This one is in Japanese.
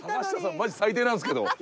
マジ最低なんですけど。